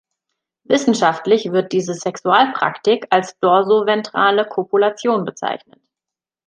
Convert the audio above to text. Wissenschaftlich wird diese Sexualpraktik als "dorso-ventrale Kopulation" bezeichnet.